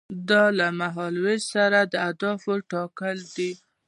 دا له مهال ویش سره د اهدافو ټاکل دي.